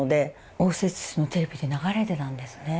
応接室のテレビで流れてたんですね。